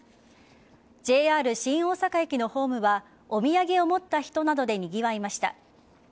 ＪＲ新大阪駅のホームはお土産を持った人などでにぎわいました。